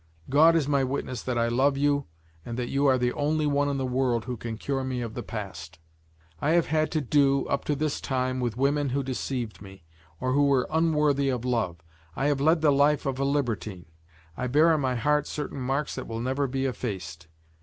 God is my witness that I love you and that you are the only one in the world who can cure me of the past. I have had to do, up to this time, with women who deceived me, or who were unworthy of love. I have led the life of a libertine; I bear on my heart certain marks that will never be effaced.